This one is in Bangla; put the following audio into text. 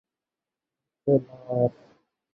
একদিন শশী জিজ্ঞাসা করিল, বিনোদিনী অপেরার কী হল রে কুমুদ?